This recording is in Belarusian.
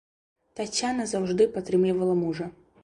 Таццяна заўжды падтрымлівала мужа.